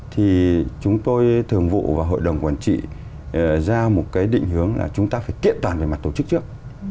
thì chúng tôi thường vụ và hội đồng quản trị ra một cái định hướng là chúng ta phải kiện toàn về mặt tổ chức trước